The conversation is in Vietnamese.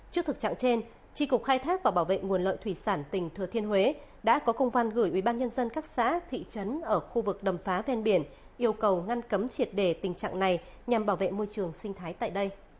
trước thực trạng trên tri cục khai thác và bảo vệ nguồn lợi thủy sản tỉnh thừa thiên huế đã có công văn gửi ubnd các xã thị trấn ở khu vực đầm phá ven biển yêu cầu ngăn cấm triệt đề tình trạng này nhằm bảo vệ môi trường sinh thái tại đây